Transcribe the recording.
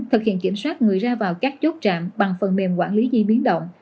thực hiện kiểm soát người ra vào các chốt trạm bằng phần mềm quản lý di biến động